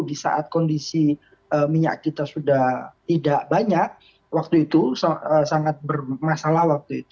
di saat kondisi minyak kita sudah tidak banyak waktu itu sangat bermasalah waktu itu